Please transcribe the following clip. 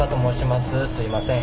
すみません。